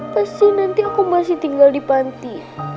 pesu nanti aku masih tinggal di panti